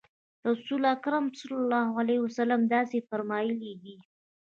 رسول اکرم صلی الله علیه وسلم داسې فرمایلي دي.